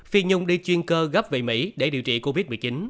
phi nhung đi chuyên cơ gấp về mỹ để điều trị covid một mươi chín